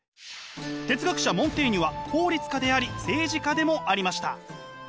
哲学者モンテーニュは法律家であり政治家でもありました。